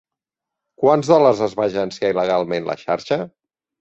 Quants dòlars es va agenciar il·legalment la xarxa?